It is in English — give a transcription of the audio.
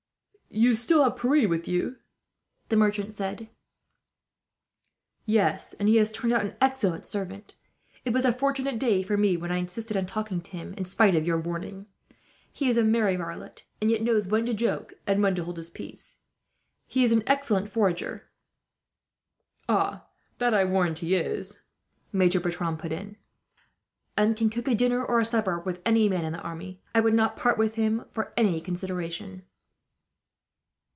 "You still have Pierre with you?" the merchant said. "Yes, and he has turned out an excellent servant. It was a fortunate day, for me, when I insisted on taking him in spite of your warning. He is a merry varlet, and yet knows when to joke, and when to hold his peace. He is an excellent forager " "Ah! That I warrant he is," Maitre Bertram put in; " And can cook a dinner or a supper with any man in the army. I would not part with him on any consideration."